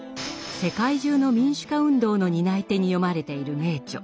世界中の民主化運動の担い手に読まれている名著